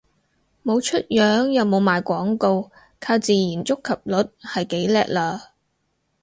冇出樣又冇賣廣告，靠自然觸及率係幾叻喇